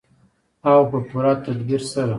او په پوره تدبیر سره.